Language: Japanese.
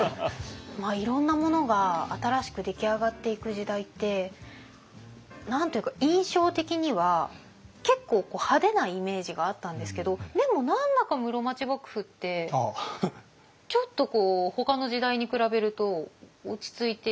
いろんなものが新しく出来上がっていく時代って何と言うか印象的には結構派手なイメージがあったんですけどでも何だか室町幕府ってちょっとこうほかの時代に比べると落ち着いている印象ありますよね。